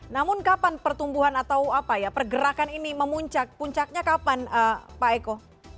namun kapan pertumbuhan atau apa ya pergerakan ini memuncak puncaknya kapan pak eko